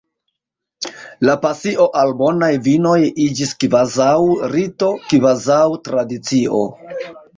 La pasio al bonaj vinoj iĝis kvazaŭ rito, kvazaŭ tradicio.